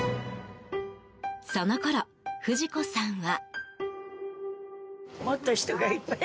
そのころ、不二子さんは。